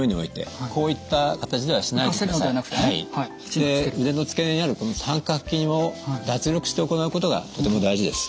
で腕の付け根にあるこの三角筋を脱力して行うことがとても大事です。